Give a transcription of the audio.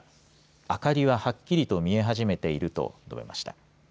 明かりははっきりと見え始めていると述べました。